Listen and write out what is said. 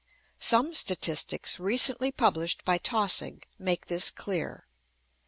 Some statistics recently published by Taussig make this clear.